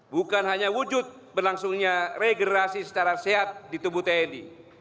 bukan hanya wujud berlangsungnya regerasi secara sehat di tubuh tni